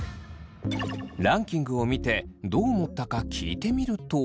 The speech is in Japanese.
ランキングを見てどう思ったか聞いてみると。